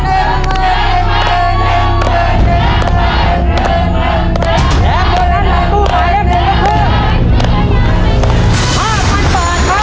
และโบนัสหลังตู้หมายเลข๑นึกว่า